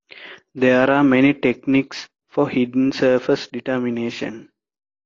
There are many techniques for hidden surface determination.